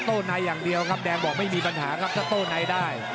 รอโต้ไนท์อย่างเดียวครับแดงบอกไม่มีปัญหาครับจะโต้ไนท์ได้